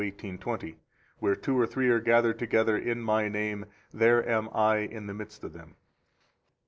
18:20: Where two or three are gathered together in My name, there am I in the midst of them.